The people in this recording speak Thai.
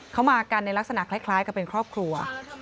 เขามากันในลักษณะคล้ายกับเป็นครอบครัว